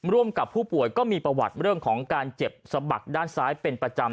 ร่วมกับผู้ป่วยก็มีประวัติเรื่องของการเจ็บสะบักด้านซ้ายเป็นประจำ